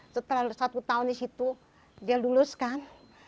setelah satu tahun di situ dia lulus kan